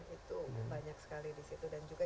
itu banyak sekali di situ dan juga